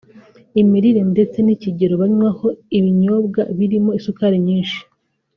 imirire ndetse n’ikigero banywaho ibinyobwa birimo isukari nyinshi